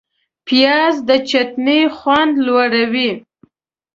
پیاز د چټني خوند لوړوي